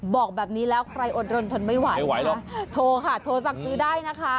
บอกแบบนี้แล้วใครอดรนทนไม่ไหวไม่ไหวโทรค่ะโทรสั่งซื้อได้นะคะ